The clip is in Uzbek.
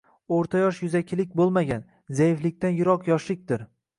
O’rta yosh yuzakilik bo’lmagan, zaiflikdan yiroq yoshlikdir.